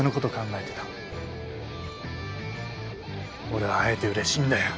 俺は会えてうれしいんだよ。